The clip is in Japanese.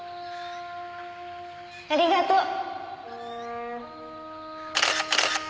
ありがとう。